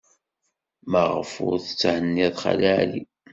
Maɣef ur tetthenniḍ Xali Ɛli?